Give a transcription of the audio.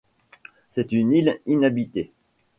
C'est une île inhabitée.